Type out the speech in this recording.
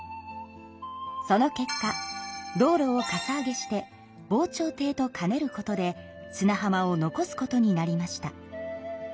その結果道路をかさ上げして防潮堤と兼ねることで砂浜を残すことになりました。